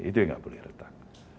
itu yang nggak boleh retak